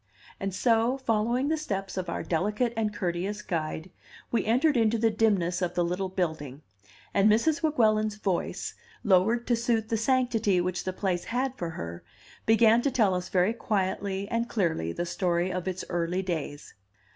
And so, following the steps of our delicate and courteous guide, we entered into the dimness of the little building; and Mrs. Weguelin's voice, lowered to suit the sanctity which the place had for her, began to tell us very quietly and clearly the story of its early days.